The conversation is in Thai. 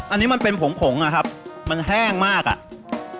อันนี้มันเป็นผงผงอะครับมันแห้งมากอ่ะ